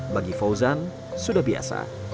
bagi fauzan sudah biasa